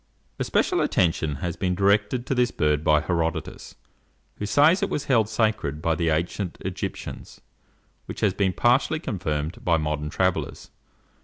Especial attention has been directed to this bird by Herodotus, who says it was held sacred by the ancient Egyptians, which has been partially confirmed by modern travellers.